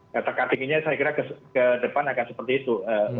kata katinginnya saya kira ke depan akan seperti itu